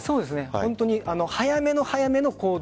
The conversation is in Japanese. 本当に、早めの早めの行動